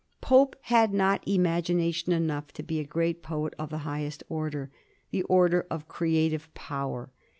Pope had not imagination enough to be a great poet of the highest order — the order of creative power.